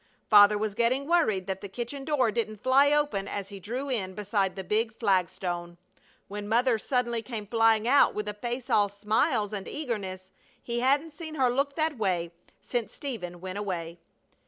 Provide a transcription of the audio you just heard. Father was getting worried that the kitchen door didn't fly open as he drew in beside the big flag stone, when Mother suddenly came flying out with her face all smiles and eagerness. He hadn't seen her look that way since Stephen went away.